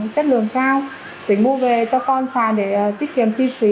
chất lượng cao tỉnh mua về cho con xài để tiết kiệm chi phí